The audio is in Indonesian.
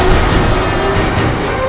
jangan bunuh saya